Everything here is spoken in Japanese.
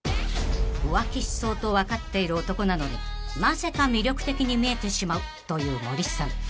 ［浮気しそうと分かっている男なのになぜか魅力的に見えてしまうという森さん］